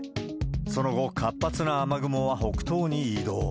その後、活発な雨雲は北東に移動。